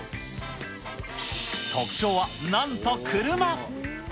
特賞はなんと車。